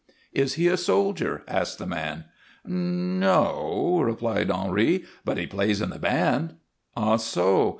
"Is he a soldier?" asked the man. "N no," replied Henri. "But he plays in the band." "Ah, so!